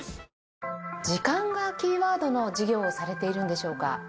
「時間」がキーワードの事業をされているんでしょうか？